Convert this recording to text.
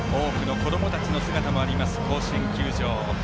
多くの子どもたちの姿もあります、甲子園球場。